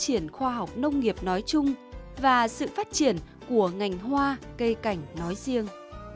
triển khoa học nông nghiệp nói chung và sự phát triển của ngành hoa cây cảnh nói riêng